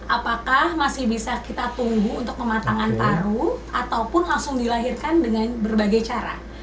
apakah masih bisa kita tunggu untuk pematangan paru ataupun langsung dilahirkan dengan berbagai cara